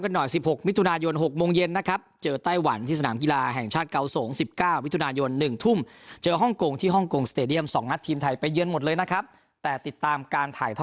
หวังว่าจะเล่นกับพี่มุยให้ได้ครับ